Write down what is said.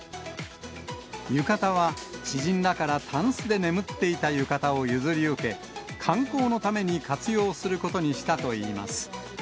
浴衣は知人らからたんすで眠っていた浴衣を譲り受け、観光のために活用することにしたといいます。